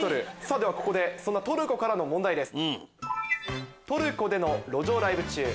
ではここでトルコからの問題です。